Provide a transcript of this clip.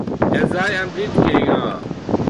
Er sei ein "„Blindgänger“".